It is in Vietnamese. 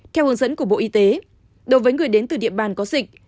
theo hướng dẫn của bộ y tế đối với người đến từ địa bàn có dịch